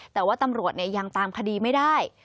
แต่ว่าตำรวจยังตามคดีไม่ได้